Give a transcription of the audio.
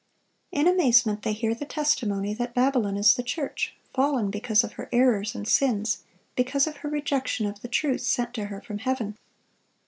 In amazement they hear the testimony that Babylon is the church, fallen because of her errors and sins, because of her rejection of the truth sent to her from heaven.